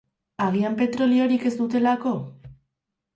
Agian petroliorik ez dutelako?